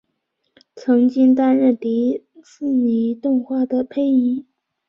曾经担任迪士尼动画的配音。